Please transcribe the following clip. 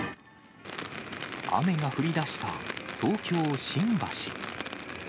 雨が降りだした東京・新橋。